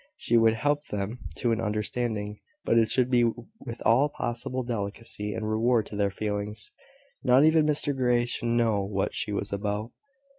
She would help them to an understanding, but it should be with all possible delicacy and regard to their feelings. Not even Mr Grey should know what she was about.